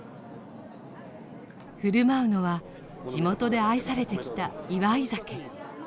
振る舞うのは地元で愛されてきた祝い酒。